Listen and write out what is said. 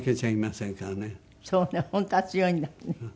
本当は強いんだもんね。